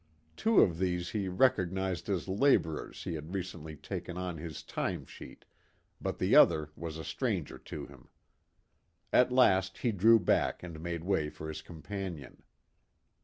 Two of these he recognized as laborers he had recently taken on his "time sheet," but the other was a stranger to him. At last he drew back and made way for his companion.